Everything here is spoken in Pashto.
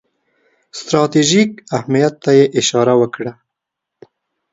ستراتیژیک اهمیت ته یې اشاره وکړه.